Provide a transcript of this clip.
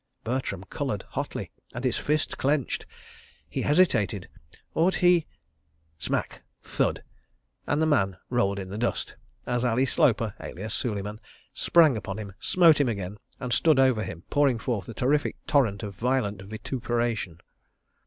Bertram coloured hotly, and his fist clenched. He hesitated; ought he. ... Smack! Thud! and the man rolled in the dust as Ali Sloper, alias Suleiman, sprang upon him, smote him again, and stood over him, pouring forth a terrific torrent of violent vituperation.